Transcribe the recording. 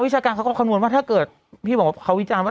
นวิชาการเขานวนว่าพี่บอกว่าเขาวิจารณ์ว่า